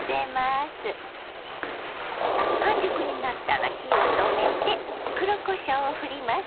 半熟になったら火を止めて黒こしょうをふります。